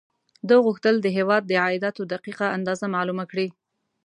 ده غوښتل د هېواد د عایداتو دقیق اندازه معلومه کړي.